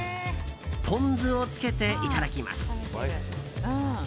ポン酢をつけていただきます。